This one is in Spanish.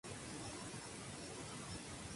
No llevaba armamento montado de ningún tipo.